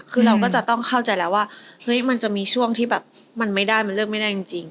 คือเราก็จะต้องเข้าใจแล้วว่าเฮ้ยมันจะมีช่วงที่แบบมันไม่ได้มันเลือกไม่ได้จริง